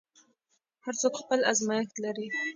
هر څوک خپل ازمېښت لري.